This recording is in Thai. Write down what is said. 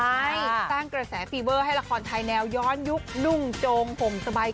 ใช่สร้างกระแสฟีเวอร์ให้ละครไทยแนวย้อนยุคนุ่งโจงห่มสบาย